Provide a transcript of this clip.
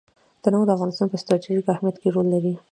تنوع د افغانستان په ستراتیژیک اهمیت کې رول لري.